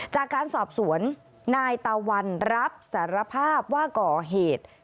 จากการสอบสวนนายตะวันรับสารภาพว่าก่อเหตุ